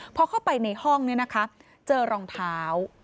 พอเข้าไปในห้องนี้นะคะเจอรองเท้า